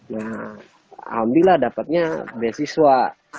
nah alhamdulillah dapatnya beasiswa